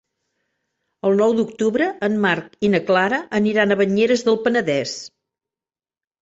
El nou d'octubre en Marc i na Clara aniran a Banyeres del Penedès.